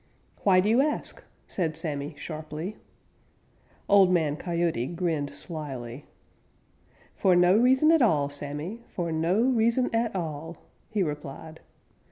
"Why do you ask?" said Sammy sharply. Old Man Coyote grinned slyly. "For no reason at all, Sammy. For no reason at all," he replied.